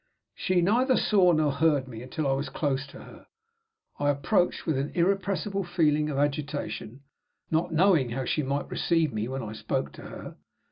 She neither saw nor heard me until I was close to her. I approached with an irrepressible feeling of agitation; not knowing how she might receive me when I spoke to her.